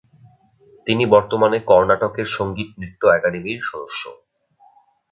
তিনি বর্তমানে কর্ণাটকের সংগীত নৃত্য একাডেমির সদস্য।